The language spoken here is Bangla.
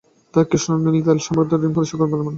তাঁরা কৃষিঋণ ও তেল সার বাবদ ঋণ পরিশোধ করতে পারবেন না।